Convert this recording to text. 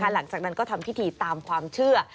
หลังจากนั้นก็ทำพิธีตามความเชื่อ